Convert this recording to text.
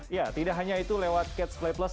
ya tidak hanya itu lewat catch play plus